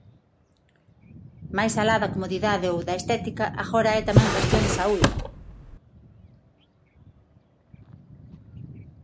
Máis alá da comodidade ou da estética, agora é tamén cuestión de saúde.